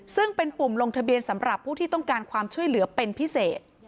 ซึ่งเป็นปุ่มลงทะเบียนสำหรับผู้ที่ต้องการความช่วยเหลือเป็นพิเศษ